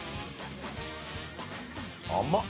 甘っ。